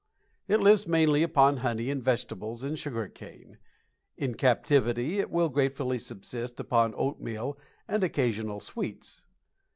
It lives mainly upon honey and vegetables and sugar cane. In captivity it will very gratefully subsist upon oatmeal and occasional sweets.